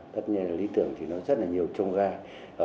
tất nhiên là lý tưởng thì nó rất là nhiều trông gai